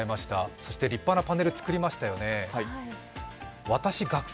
そして立派なボード作りましたよね。